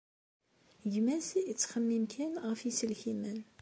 Gma-s yettxemmim kan ɣef yiselkimen.